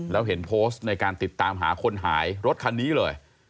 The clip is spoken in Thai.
แล้วเห็นโพสต์ในการติดตามหาคนหายรถคันนี้เลย